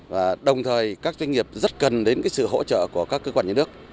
và đồng thời các doanh nghiệp rất cần đến sự hỗ trợ của các cơ quan nhà nước